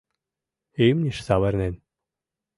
Имньыш савырнен.